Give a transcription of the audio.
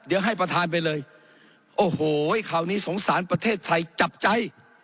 เดี๋ยวให้ประธานไปเลยโอ้โหคราวนี้สงสารประเทศไทยจับใจ